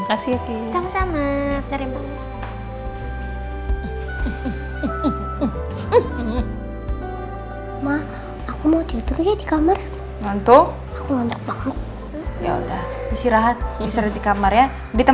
assalamualaikum warahmatullahi wabarakatuh